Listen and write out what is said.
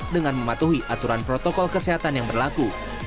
dengan mematuhi aturan protokol kesehatan yang berlaku